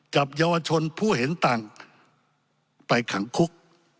จับเยาวชนผู้เห็นต่างไปขังคุก